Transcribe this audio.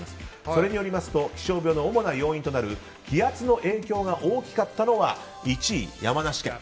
それによりますと気象病の主な要因となる気圧の影響が大きかったのが１位、山梨県。